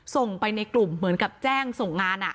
ส่งไปในกลุ่มเหมือนกับแจ้งส่งงาน